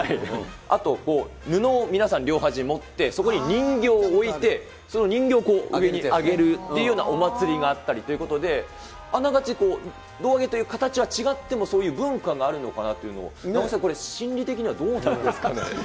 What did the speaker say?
あと、布を皆さん両端持って、そこに人形を置いて、その人形を上げるっていうようなお祭りがあったりということで、あながち、胴上げという形は違っても、そういう文化があるのかなというのが、名越さん、心理的にはどうなんですかね。